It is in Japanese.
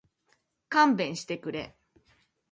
勘弁してくれ